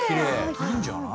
いいんじゃない？